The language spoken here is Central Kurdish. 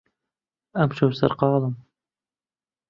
ئەمشەو سەرقاڵم.